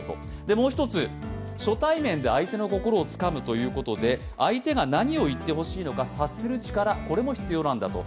もう一つ、初対面で相手の心をつかむということで相手が何を言ってほしいのか察する力も必要なんだと。